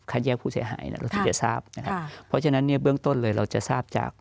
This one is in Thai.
แยกผู้เสียหายเราถึงจะทราบนะครับเพราะฉะนั้นเนี่ยเบื้องต้นเลยเราจะทราบจาก